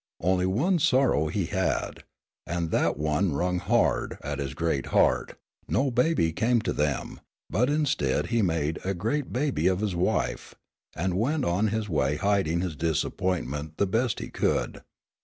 Only one sorrow he had, and that one wrung hard at his great heart no baby came to them but instead he made a great baby of his wife, and went on his way hiding his disappointment the best he could.